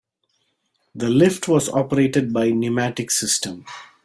The lift was operated by a pneumatic system.